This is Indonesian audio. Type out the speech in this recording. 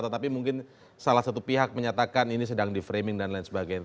tetapi mungkin salah satu pihak menyatakan ini sedang di framing dan lain sebagainya